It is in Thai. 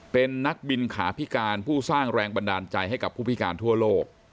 เป็นนักบินขาพิการผู้สร้างแรงบันดาลใจให้กับผู้พิการทั่วโลก